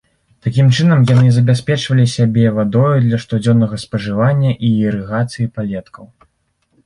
Такім чынам яны забяспечвалі сябе вадою для штодзённага спажывання і ірыгацыі палеткаў.